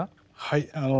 はい。